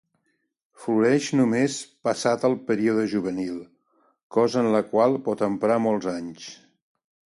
Floreix només passat el període juvenil, cosa en la qual pot emprar molts anys.